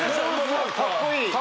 何かかっこいい。